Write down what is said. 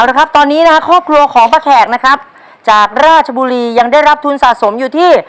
นะครับตอนนี้นะฮะครอบครัวของป้าแขกนะครับจากราชบุรียังได้รับทุนสะสมอยู่ที่